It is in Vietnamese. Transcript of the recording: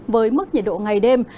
với mức nhiệt độ ngày đêm